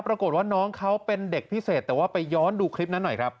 ปรากฏว่าน้องเขาเป็นเด็กพิเศษแต่ว่าไปย้อนดูคลิปนั้นหน่อยครับ